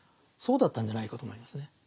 そうだったんじゃないかと思いますね。